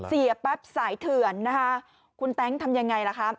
เสียแป๊บสายเถื่อนคุณแต้งทำอย่างไรล่ะครับ